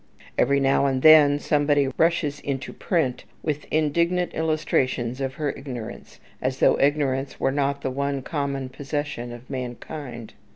Every now and then somebody rushes into print with indignant illustrations of her ignorance, as though ignorance were not the one common possession of mankind.